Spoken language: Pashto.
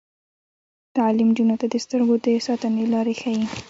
تعلیم نجونو ته د سترګو د ساتنې لارې ښيي.